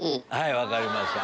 分かりました。